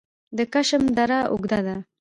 د کشم دره اوږده ده